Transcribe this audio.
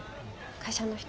会社の人？